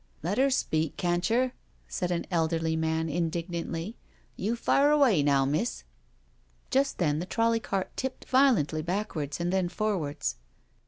"Let 'er speak — cantcher," said an elderly man in dignantly: "you fire away now, miss." Just then the trolly cart tipped violently backwards and then forwards.